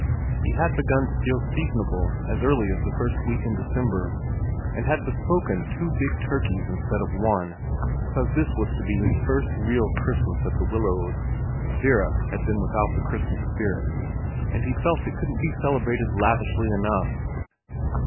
He had begun to feel seasonable as early as the first week in December, and had bespoken two big turkeys instead of one, because this was to be his first real Christmas at The Willows Vera had been without the Christmas spirit and he felt it couldn't be celebrated lavishly enough.